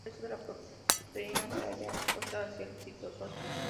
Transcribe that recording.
El resto de la proteína se halla expuesta hacia el citosol.